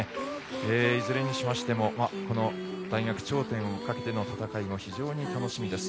いずれにしましてもこの大学、頂点をかけての戦いも非常に楽しみです。